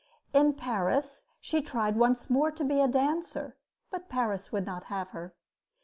In Paris she tried once more to be a dancer, but Paris would not have her.